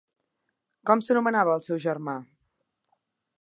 Com s'anomenava el seu germà?